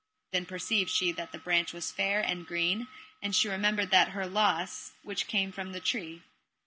Then perceived she that the branch was fair and green, and she remembered her the loss which came from the tree.